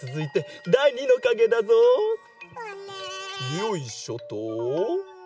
よいしょと。